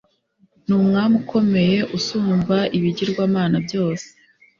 ni umwami ukomeye usumba ibigirwamana byose